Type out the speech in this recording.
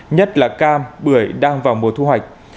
nhất là cam bưởi đang vào mùa thu hoạch